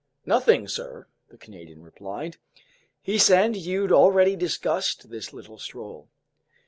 "Nothing, sir," the Canadian replied. "He said you'd already discussed this little stroll."